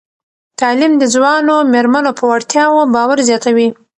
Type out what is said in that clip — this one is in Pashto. تعلیم د ځوانو میرمنو په وړتیاوو باور زیاتوي.